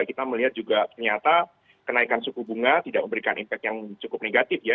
kita melihat juga ternyata kenaikan suku bunga tidak memberikan impact yang cukup negatif ya